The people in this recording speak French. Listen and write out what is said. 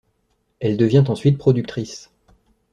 Elle devient ensuite productrice.